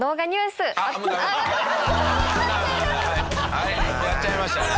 はいやっちゃいましたね。